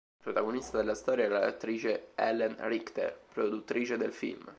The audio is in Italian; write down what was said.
Protagonista della storia era l'attrice Ellen Richter, produttrice del film.